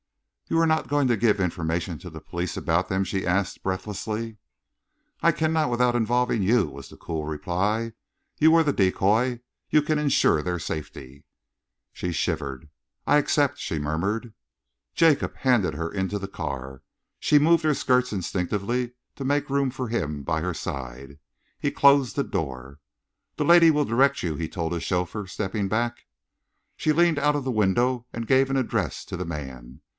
"You are not going to give information to the police about them?" she asked breathlessly. "I cannot without involving you," was the cool reply. "You were the decoy. You can insure their safety." She shivered. "I accept," she murmured. Jacob handed her into the car. She moved her skirts instinctively to make room for him by her side. He closed the door. "The lady will direct you," he told his chauffeur, stepping back. She leaned out of the window and gave an address to the man.